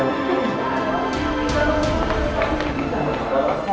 ya boleh dong